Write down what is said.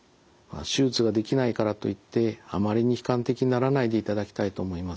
手術ができないからといってあまりに悲観的にならないでいただきたいと思います。